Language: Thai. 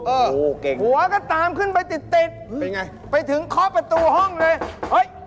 เออผัวก็ตามขึ้นไปติดไปถึงคอประตูห้องเลยเอ๊ย